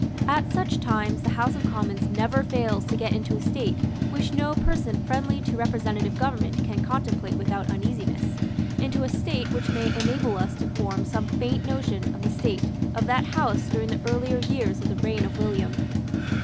At such times the House of Commons never fails to get into a state which no person friendly to representative government can contemplate without uneasiness, into a state which may enable us to form some faint notion of the state of that House during the earlier years of the reign of William.